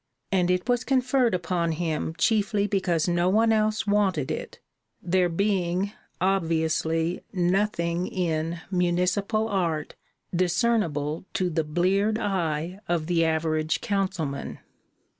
And it was conferred upon him chiefly because no one else wanted it, there being, obviously 'nothing in' municipal art discernible to the bleared eye of the average councilman.